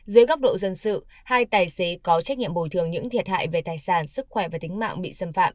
dưới góc độ dân sự hai tài xế có trách nhiệm bồi thường những thiệt hại về tài sản sức khỏe và tính mạng bị xâm phạm